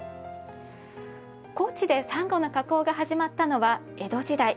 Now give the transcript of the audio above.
高知でサンゴの加工が始まったのは江戸時代。